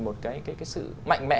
một cái sự mạnh mẽ